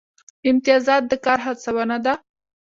امتیازات د کار هڅونه ده